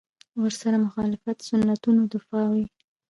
ورسره مخالفت سنتونو دفاع وي.